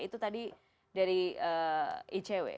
itu tadi dari icw